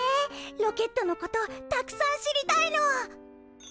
ロケットのことたくさん知りたいの！